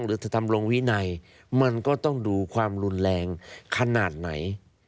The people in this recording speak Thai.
หรือจะทำลงวินัยมันก็ต้องดูความรุนแรงขนาดไหน